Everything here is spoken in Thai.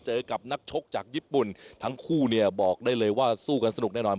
เจอกับนักชกจากญี่ปุ่นทั้งคู่เนี่ยบอกได้เลยว่าสู้กันสนุกแน่นอน